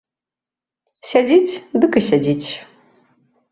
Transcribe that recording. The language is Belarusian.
Сядзіць дык і сядзіць.